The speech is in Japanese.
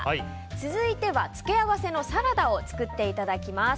続いては、付け合わせのサラダを作っていただきます。